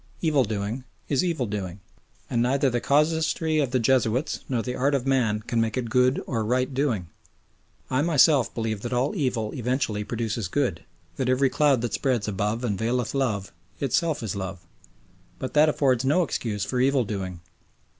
Evil doing is evil doing, and neither the casuistry of the Jesuits nor the art of man can make it good or right doing. I myself believe that all evil eventually produces good "That every cloud that spreads above and veileth love, itself is love;" but that affords no excuse for evil doing.